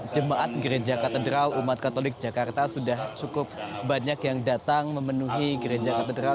jemaat gereja katedral umat katolik jakarta sudah cukup banyak yang datang memenuhi gereja katedral